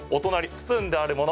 包んであるもの。